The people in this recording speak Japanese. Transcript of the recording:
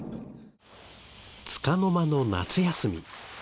つかの間の夏休み。